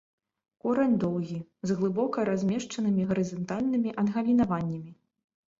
Корань доўгі, з глыбока размешчанымі гарызантальнымі адгалінаваннямі.